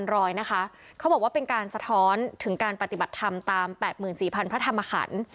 รอยนะคะเขาบอกว่าเป็นการสะท้อนถึงการปฏิบัติธรรมตาม๘๔๐๐พระธรรมขัน